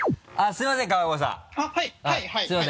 すいませんはい。